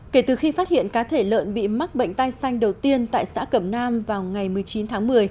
kể từ khi phát hiện cá thể lợn bị mắc bệnh tai xanh đầu tiên tại xã cẩm nam vào ngày một mươi chín tháng một mươi